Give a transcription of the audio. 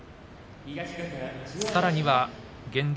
さらには現状